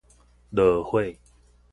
落血